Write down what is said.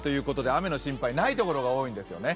雨の心配はない所が多いんですよね。